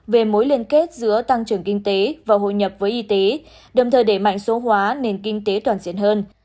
về mối liên kết giữa tăng trưởng kinh tế và hội nhập với y tế đồng thời để mạnh số hóa nền kinh tế toàn diện hơn